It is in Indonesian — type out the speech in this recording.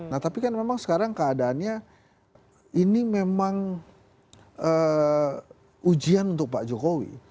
nah tapi kan memang sekarang keadaannya ini memang ujian untuk pak jokowi